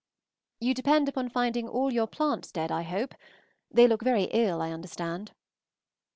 You depend upon finding all your plants dead, I hope. They look very ill, I understand.